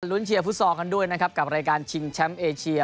รุ้นเชียร์ฟุตซอลกันด้วยนะครับกับรายการชิงแชมป์เอเชีย